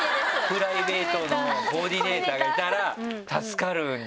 プライベートのコーディネーターがいたら助かるんじゃない？